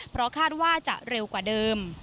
เพราะคาดว่าจะเร็วกว่าเดิม